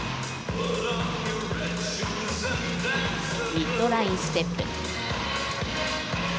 ミッドラインステップ。